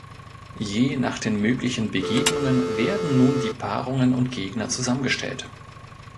Je nach den möglichen Begegnungen werden nun die Paarungen und Gegner zusammengestellt.